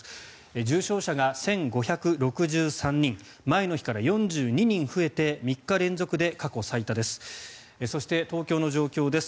重症者が１５６３人前の日から４２人増えて３日連続で過去最多です。